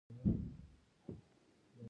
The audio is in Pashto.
بغیر له علمه بې اساسه خبرې ګټه نلري.